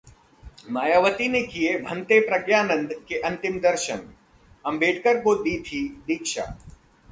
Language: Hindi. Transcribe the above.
मायावती ने किए भंते प्रज्ञानंद के अंतिम दर्शन, अंबेडकर को दी थी दीक्षा